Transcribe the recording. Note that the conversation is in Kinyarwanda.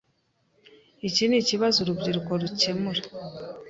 Iki nikibazo urubyiruko rukemura.